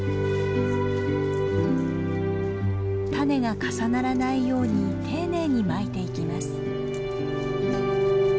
種が重ならないように丁寧にまいていきます。